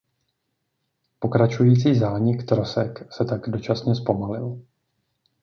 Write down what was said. Pokračující zánik trosek se tak dočasně zpomalil.